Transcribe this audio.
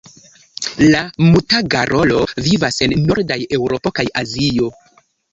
La Muta garolo vivas en nordaj Eŭropo kaj Azio.